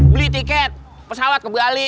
beli tiket pesawat ke bali